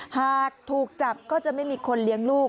หากถูกจับก็จะไม่มีคนเลี้ยงลูก